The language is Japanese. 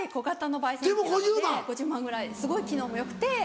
５０万ぐらいすごい機能もよくて。